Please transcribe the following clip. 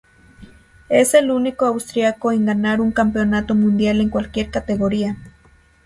Es el único austríaco en ganar un Campeonato Mundial en cualquier categoria.